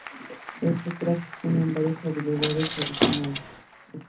Estos trajes tienen varias habilidades adicionales.